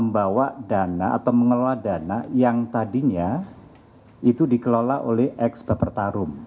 membawa dana atau mengelola dana yang tadinya itu dikelola oleh expertarum